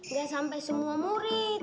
nggak sampai semua murid